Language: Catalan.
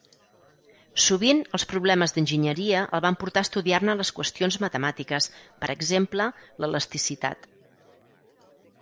Sovint els problemes d'enginyeria el van portar a estudiar-ne les qüestions matemàtiques, per exemple, l'elasticitat.